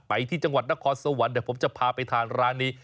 ไปที่จังหวัดนครสวรรค์เดี๋ยวผมจะพาไปทานร้านนี้